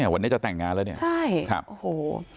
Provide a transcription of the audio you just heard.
วันนี้จะแต่งงานแล้วเนี่ยใช่ครับโอ้โห